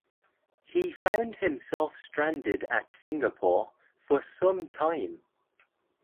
He found himself stranded at Singapore for some time.